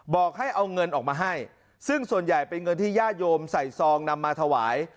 บอกให้เอาเงินออกมาให้ซึ่งส่วนใหญ่เป็นเงินที่ญาติโยมใส่ซองนำมาถวาย